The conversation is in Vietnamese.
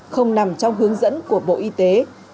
không nằm trong hướng dẫn của bộ y tế